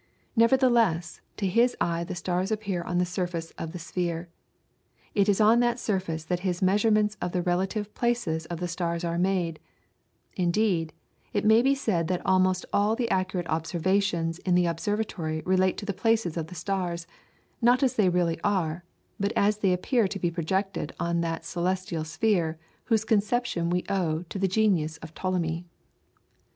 Nevertheless, to his eye the stars appear on the surface of the sphere, it is on that surface that his measurements of the relative places of the stars are made; indeed, it may be said that almost all the accurate observations in the observatory relate to the places of the stars, not as they really are, but as they appear to be projected on that celestial sphere whose conception we owe to the genius of Ptolemy.